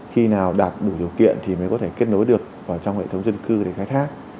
khi nào đạt đủ điều kiện thì mới có thể kết nối được trong hệ thống dân cư để khai thác